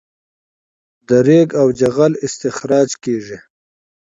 د ریګ او جغل استخراج کیږي